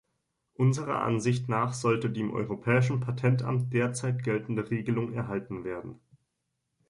Unserer Ansicht nach sollte die im Europäischen Patentamt derzeit geltende Regelung erhalten werden.